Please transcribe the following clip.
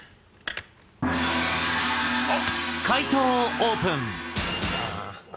解答をオープン。